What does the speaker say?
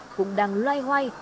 cũng đang loay hoay